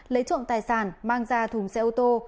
lấy trộm tài sản mang ra thùng xe ô tô